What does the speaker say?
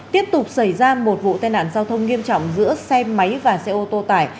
tiếp tục xảy ra một vụ tai nạn giao thông nghiêm trọng giữa xe máy và xe ô tô tải